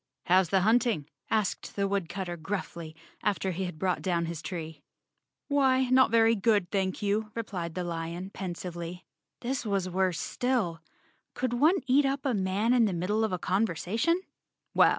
"How's the hunting?" asked the woodcutter gruffly, after he had brought down his tree. "Why, not very good, thank you," replied the lion pensively. This was worse still. Could one eat up a man in the middle of a conversation?